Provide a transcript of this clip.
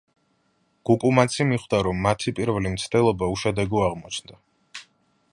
გუკუმაცი მიხვდა, რომ მათი პირველი მცდელობა უშედეგო აღმოჩნდა.